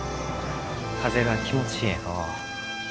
風が気持ちえいのう。